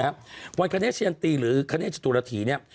วันเกิดพระพิคเนธเชียนตีหรือเกิดพระพิคเนธตุรถีเนี่ย